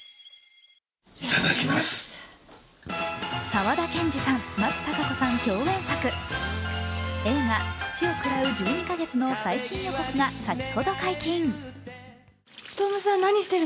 沢田研二さん、松たか子さん共演作映画「土を喰らう十二ヵ月」の再審予告が先ほど解禁。